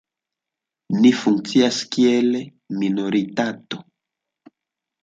Ni funkcias kiel minoritato.